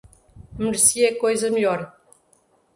Merecia coisa melhor